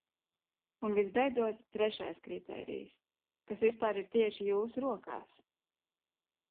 Un visbeidzot trešais kritērijs, kas vispār ir tieši jūsu rokās.